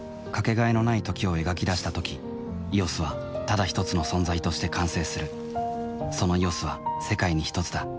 かけがえのない「時」を描き出したとき「ＥＯＳ」はただひとつの存在として完成するその「ＥＯＳ」は世界にひとつだ